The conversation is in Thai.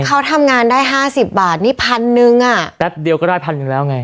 เขาทำงานได้ห้าสิบบาทนี่พันหนึ่งอ่ะแป๊บเดียวก็ได้พันหนึ่งแล้วไง